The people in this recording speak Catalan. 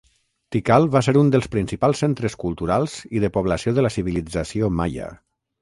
Tikal va ser un dels principals centres culturals i de població de la civilització maia.